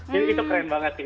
jadi itu keren banget sih